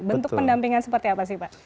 bentuk pendampingan seperti apa sih pak